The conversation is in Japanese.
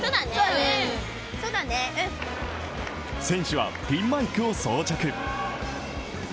選手はピンマイクを装着。